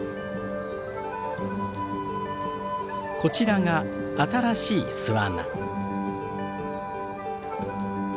こちらが新しい巣穴。